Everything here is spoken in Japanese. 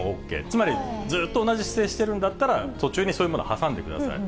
つまりずっと同じ姿勢してるんだったら、途中にそういうものを挟んでください。